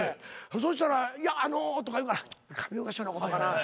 そしたらいやあのとか言うから上岡師匠のことかな。